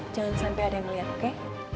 jangan sampai ada yang melihat oke